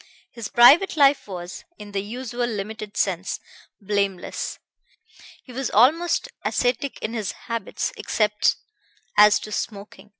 His private life was, in the usual limited sense, blameless. He was almost ascetic in his habits, except as to smoking.